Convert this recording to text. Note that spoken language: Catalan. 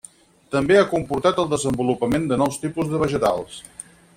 També ha comportat el desenvolupament de nous tipus de vegetals.